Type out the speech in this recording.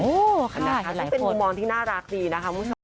โอ้ค่ะหลายคนค่ะนี่เป็นมุมมองที่น่ารักดีนะคะ